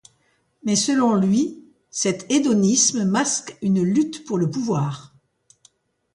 Mais selon lui cet hédonisme masque une lutte pour le pouvoir.